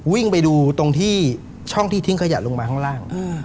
วิ่งไปดูตรงที่ช่องที่ทิ้งขยะลงมาข้างล่าง